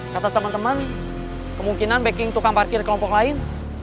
kata teman teman kemungkinan backing tukang parkir kelompok lain